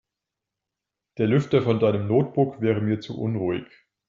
Der Lüfter von deinem Notebook wäre mir zu unruhig.